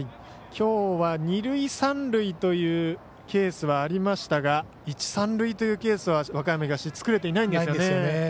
きょうは二塁三塁というケースはありましたが一塁三塁というケースは和歌山東作れていないんですよね。